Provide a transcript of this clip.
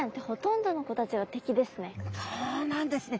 そうなんですね。